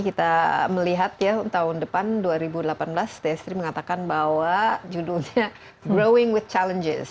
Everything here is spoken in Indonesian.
kita melihat ya tahun depan dua ribu delapan belas destri mengatakan bahwa judulnya growing with challenges